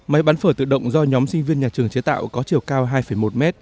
máy bán phở tự động do nhóm sinh viên nhà trường chế tạo có chiều cao hai một m